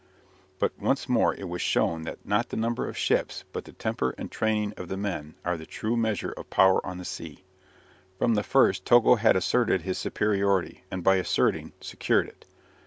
But once more it was shown that not the number of ships but the temper and training of the men are the true measure of power on the sea. From the first Togo had asserted his superiority, and by asserting secured it.